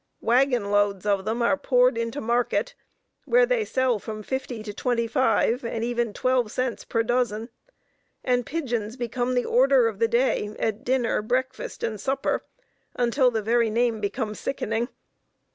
Wagon loads of them are poured into market, where they sell from fifty to twenty five and even twelve cents per dozen; and pigeons become the order of the day at dinner, breakfast and supper, until the very name becomes sickening.